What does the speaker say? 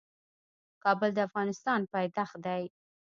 کابل د افغانستان پايتخت دی.